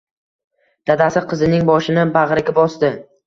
Dadasi qizining boshini bag`riga bosdi